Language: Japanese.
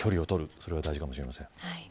それが大事かもしれません。